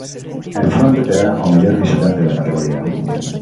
En fronte terá o mellor visitante da categoría.